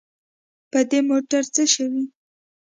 په دې موټر څه شوي.